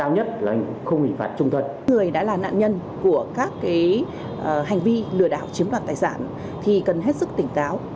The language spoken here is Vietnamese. người đã là nạn nhân của các hành vi lừa đảo chiếm đoạt tài sản thì cần hết sức tỉnh táo